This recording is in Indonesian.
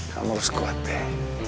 kamu harus kuat pei